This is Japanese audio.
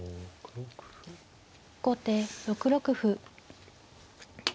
後手６六歩。